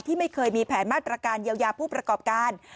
ไม่เคยมีแผนมาตรการเยียวยาผู้ประกอบการ